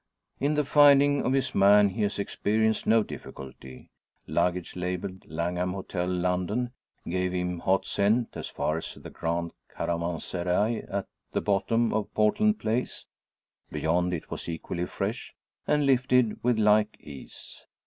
In the finding of his man he has experienced no difficulty. Luggage labelled "Langham Hotel, London," gave him hot scent, as far as the grand caravanserai at the bottom of Portland Place. Beyond it was equally fresh, and lifted with like ease.